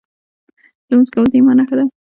لمونځ کول د ایمان نښه ده .